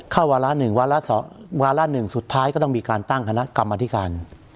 วาระ๑วาระวาระหนึ่งสุดท้ายก็ต้องมีการตั้งคณะกรรมธิการ